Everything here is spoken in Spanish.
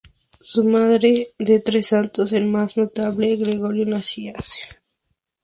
Fue madre de tres santos, el más notable Gregorio Nacianceno.